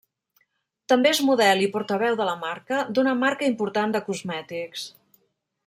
També és model i portaveu de la marca d’una marca important de cosmètics.